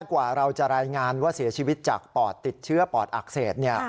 กว่าเราจะรายงานว่าเสียชีวิตจากปอดติดเชื้อปอดอักเสบ